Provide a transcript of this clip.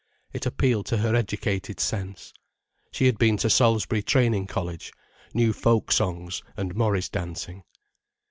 It appealed to her educated sense. She had been to Salisbury Training College, knew folk songs and morris dancing.